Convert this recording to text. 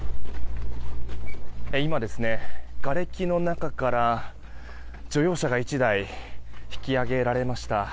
今ですね、がれきの中から乗用車が１台引き揚げられました。